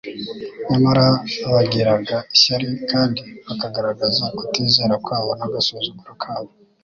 nyamara bagiraga ishyari kandi bakagaragaza kutizera kwabo n'agasuzuguro kabo.